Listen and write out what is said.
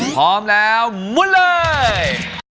พร้อมแล้วมุนเลย